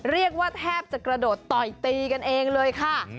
เรียกว่าแทบจะกระโดดต่อยตีกันเองเลยค่ะ